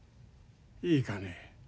いいかね。